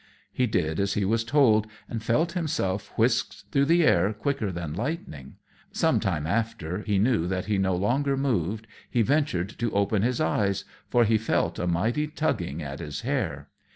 He did as he was told, and felt himself whisked through the air quicker than lightning. Some time after he knew that he no longer moved, he ventured to open his eyes, for he felt a mighty tugging at his hair.